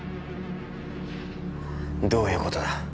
どういうことだ？